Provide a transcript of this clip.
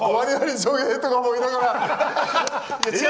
翔平！とか思いながら。